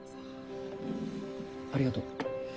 ありがとう。